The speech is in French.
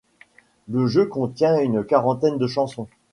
Le jeu contient une quarantaine de chansons.